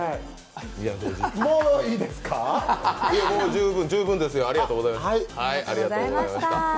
もう十分ですよ、ありがとうございました。